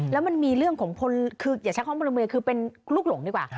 แล้วมันมีเรื่องของคนคืออย่าใช้คำว่าพลเมืองคือเป็นลูกหลงดีกว่า